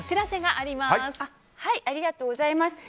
ありがとうございます。